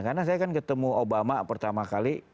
karena saya kan ketemu obama pertama kali